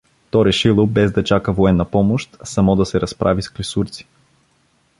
То решило, без да чака военна помощ, само да се разправи с клисурци.